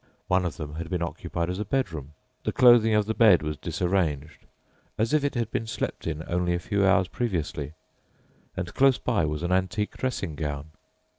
One of them had been occupied as a bedroom. The clothing of the bed was disarranged, as if it had been slept in only a few hours previously, and close by was an antique dressing gown.